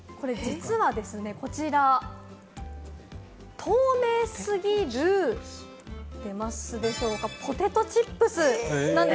実はこちら透明過ぎる、ポテトチップスなんです。